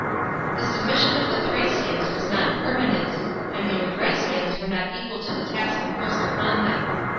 The submission of the Thracians was not permanent, and the Odrysians were not equal to the task imposed upon them.